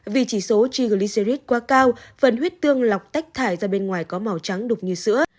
vì chỉ số chig licerit quá cao phần huyết tương lọc tách thải ra bên ngoài có màu trắng đục như sữa